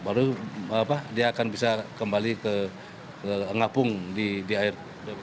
baru dia akan bisa kembali ke ngapung di air